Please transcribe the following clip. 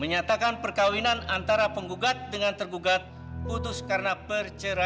menyatakan perkawinan antara penggugat dengan tergugat putus karena perceraian